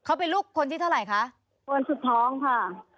เขาเป็นลูกคนที่เท่าไหร่คะคนสุดท้องค่ะ